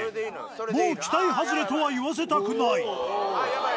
もう「期待外れ」とは言わせたくないヤバい